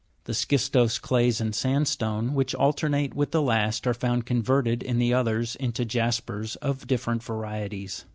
The schistose clays and sandstone, which alternate with the last, are found converted in the others into jaspers of different varieties.